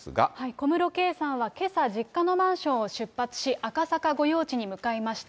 小室圭さんはけさ、実家のマンションを出発し、赤坂御用地に向かいました。